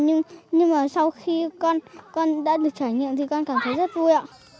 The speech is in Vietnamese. nhưng mà sau khi con đã được trải nghiệm thì con cảm thấy rất vui ạ